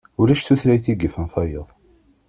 Ulac tutlayt yifen tayeḍ.